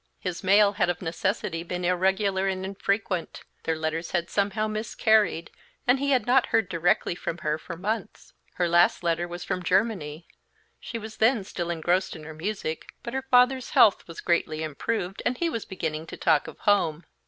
His mail had of necessity been irregular and infrequent; their letters had somehow miscarried, and he had not heard directly from her for months. Her last letter was from Germany; she was then still engrossed in her music, but her father's health was greatly improved and he was beginning to talk of home.